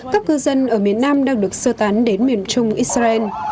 các cư dân ở miền nam đang được sơ tán đến miền trung israel